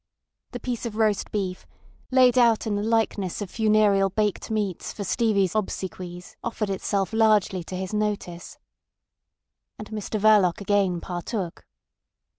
The piece of roast beef, laid out in the likeness of funereal baked meats for Stevie's obsequies, offered itself largely to his notice. And Mr Verloc again partook.